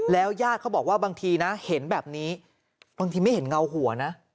ญาติเขาบอกว่าบางทีนะเห็นแบบนี้บางทีไม่เห็นเงาหัวนะ